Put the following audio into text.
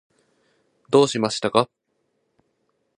どうしましたか？